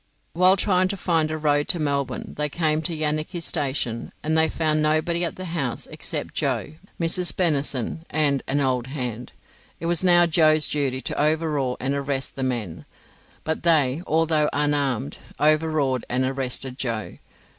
While trying to find a road to Melbourne, they came to Yanakie Station, and they found nobody at the house except Joe, Mrs. Bennison, and an old hand. It was now Joe's duty to overawe and arrest the men, but they, although unarmed, overawed and arrested Joe.